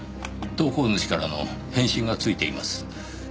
投稿主からの返信がついています。